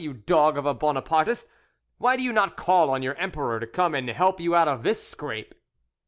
You dog of a Bonapartist, why do you not call on your emperor to come and help you out of this scrape?"